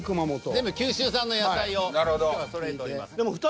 全部九州産の野菜を今日はそろえております。